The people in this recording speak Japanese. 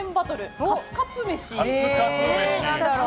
カツカツ飯。